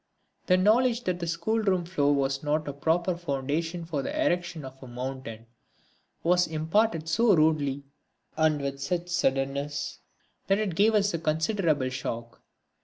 The knowledge that the schoolroom floor was not a proper foundation for the erection of a mountain was imparted so rudely, and with such suddenness, that it gave us a considerable shock.